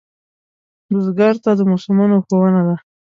بزګر ته د موسمونو ښوونه ده